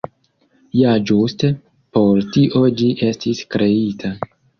Ja ĝuste por tio ĝi estis kreita.